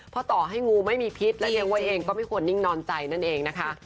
เพราะต่อให้งูไม่มีพิษและเลี้ยงไว้เองก็ไม่ควรนิ่งนอนใจนั่นเองนะคะ